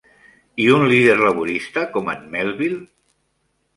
I un líder laborista com en Melville?